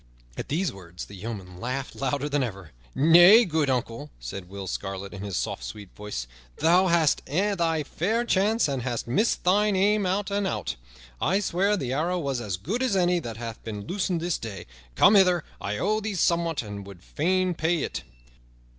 At these words the yeomen laughed louder than ever. "Nay, good uncle," said Will Scarlet in his soft, sweet voice, "thou hast had thy fair chance and hast missed thine aim out and out. I swear the arrow was as good as any that hath been loosed this day. Come hither; I owe thee somewhat, and would fain pay it."